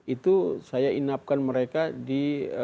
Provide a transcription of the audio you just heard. itu saya inapkan mereka di